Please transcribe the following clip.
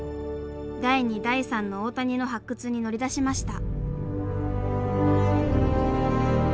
第２第３の大谷の発掘に乗り出しました。